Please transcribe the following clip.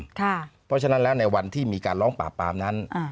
เพราะฉะนั้นแล้วในวันที่มีการร้องปราบปรามนั้น